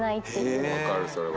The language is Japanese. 分かるそれは。